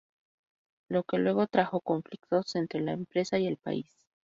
Lo que luego trajo conflictos entre la empresa y el pais.